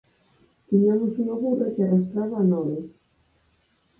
“Tiñamos unha burra que arrastraba a nove